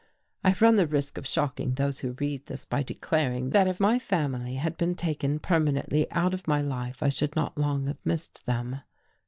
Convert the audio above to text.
I run the risk of shocking those who read this by declaring that if my family had been taken permanently out of my life, I should not long have missed them.